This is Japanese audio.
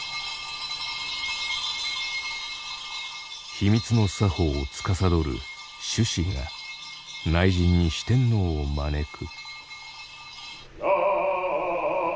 秘密の作法をつかさどる咒師が内陣に四天王を招く。